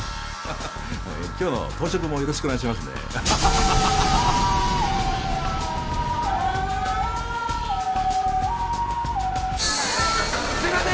今日の当直もよろしくお願いしますねすいません